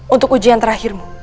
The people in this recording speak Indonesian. untuk ujian terakhirmu